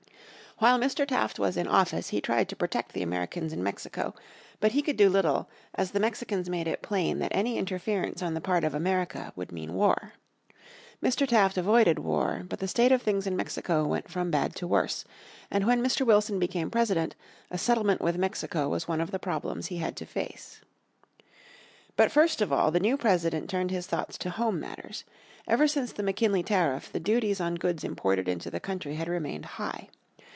While Mr. Taft was in office he tried to protect the Americans in Mexico. But he could do little, as the Mexicans made it plain that any interference on the part of America would mean war. Mr. Taft avoided war, but the state of things in Mexico went from bad to worse, and when Mr. Wilson became President a settlement with Mexico was one of the problems he had to face. But first of all the new President turned this thoughts to home matters. Ever since the McKinley Tariff the duties on goods imported into the country had remained high.